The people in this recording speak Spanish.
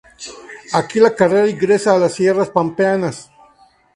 Aquí la carretera ingresa a las Sierras Pampeanas.